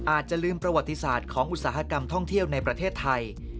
อาจจะลืมประวัติศาสตร์ของอุตสาหกรรมท่องเที่ยวในประเทศไทย